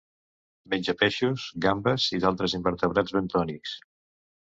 Menja peixos, gambes i d'altres invertebrats bentònics.